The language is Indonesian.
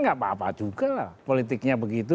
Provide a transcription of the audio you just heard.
gapapa juga lah politiknya begitu